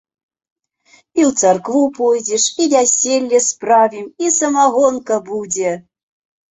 І ў царкву пойдзеш, і вяселле справім, і самагонка будзе!